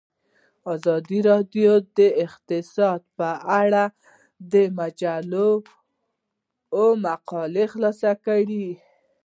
ازادي راډیو د اقتصاد په اړه د مجلو مقالو خلاصه کړې.